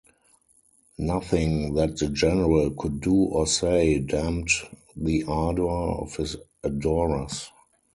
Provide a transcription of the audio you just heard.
Nothing that the general could do or say damped the ardor of his adorers.